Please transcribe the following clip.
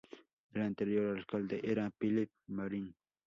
El anterior alcalde era Filip Marin.